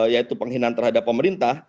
yaitu penghinaan terhadap pemerintah